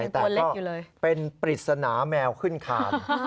แต่ก็เป็นปริศนาแมวขึ้นคาน